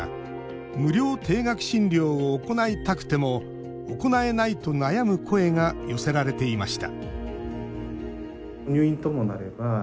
無料低額診療を行いたくても行えないと悩む声が寄せられていました